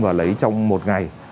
vào lấy trong một ngày